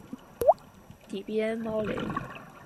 底边猫雷！